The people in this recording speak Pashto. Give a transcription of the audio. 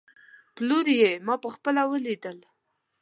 پلوري يې، ما په خپله وليدل